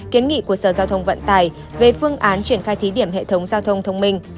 kiến nghị của sở giao thông vận tài về phương án triển khai thí điểm hệ thống giao thông thông minh